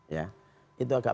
ya itu agak